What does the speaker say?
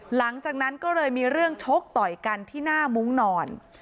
หลังจากนั้นก็เลยมีเรื่องชกต่อยกันที่หน้ามุ้งนอน